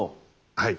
はい。